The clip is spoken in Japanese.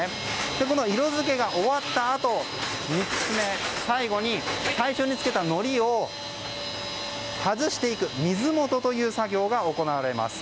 この色付けが終わったあと３つ目、最後に最初に付けたのりを外していく水元という作業が行われます。